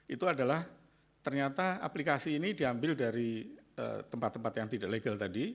itu adalah ternyata aplikasi ini diambil dari tempat tempat yang tidak legal tadi